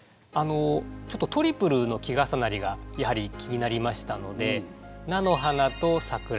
ちょっとトリプルの季重なりがやはり気になりましたので「なのはな」と「さくら」